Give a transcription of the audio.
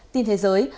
tin thế giới